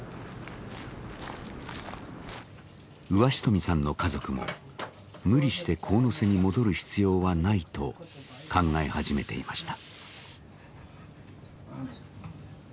上蔀さんの家族も無理して神瀬に戻る必要はないと考え始めていました。